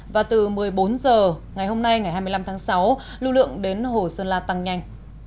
và từ một mươi bốn h ngày hôm nay ngày hai mươi năm tháng sáu lưu lượng đến hồ sơn la tăng nhanh